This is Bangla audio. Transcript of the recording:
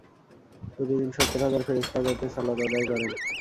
প্রতিদিন সত্তর হাজার ফেরেশতা তাতে সালাত আদায় করেন।